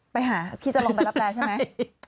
ไปหาพี่จะลงไปรับแรร์ใช่ไหม